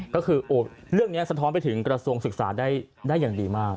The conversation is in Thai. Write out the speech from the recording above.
ก็คือเรื่องนี้สะท้อนไปถึงกระทรวงศึกษาได้อย่างดีมาก